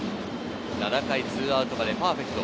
７回、２アウトまでパーフェクト。